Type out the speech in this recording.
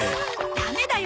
ダメだよ！